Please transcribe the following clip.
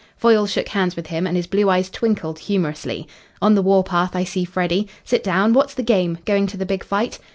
Foyle shook hands with him, and his blue eyes twinkled humorously. "On the war path, I see, Freddy. Sit down. What's the game? Going to the big fight?"